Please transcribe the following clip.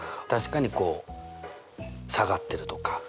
確かに下がってるとか